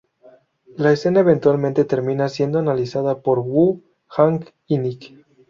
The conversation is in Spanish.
La escena eventualmente termina siendo analizada por Wu, Hank y Nick.